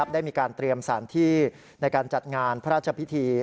ได้มีการเตรียมสถานที่ในการจัดงานพระราชพิธี